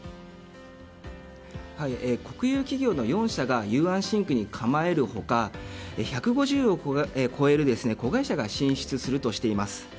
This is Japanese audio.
国有企業の４社が雄安新区に構える他１５０を超える子会社が進出するとしています。